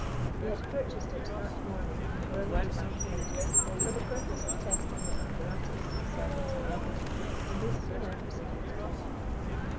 He had purchased it that morning in the Burlington Arcade for the purpose of testing the apparatus his servants had made, and this he now proceeded to do.